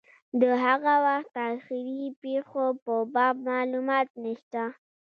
د هغه وخت تاریخي پېښو په باب معلومات نشته.